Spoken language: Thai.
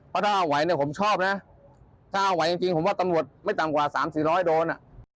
เพราะถ้าเอาไหวผมชอบนะถ้าเอาไหวจริงผมว่าตำรวจไม่ต่ำกว่าสามสี่ร้อยโดน